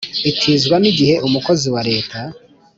Itizwa ni igihe umukozi wa leta